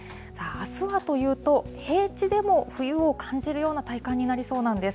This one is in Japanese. あすはというと、平地でも冬を感じるような体感になりそうなんです。